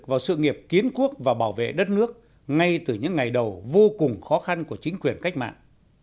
vào sự nghiệp kiến quốc và bảo vệ đất nước ngay từ những ngày đầu vô cùng khó khăn của chính quyền cách mạng